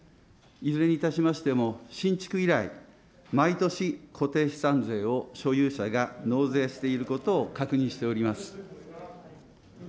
いずれにいたしましても、新築以来、毎年、固定資産税を所有者が納税していることを確認しております。